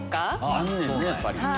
あんねんねやっぱり。